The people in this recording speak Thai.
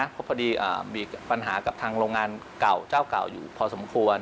เพราะพอดีมีปัญหากับทางโรงงานเก่าเจ้าเก่าอยู่พอสมควร